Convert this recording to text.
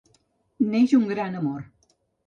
Neix un gran amor.